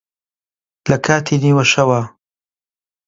لە کاتی نیوەشەوا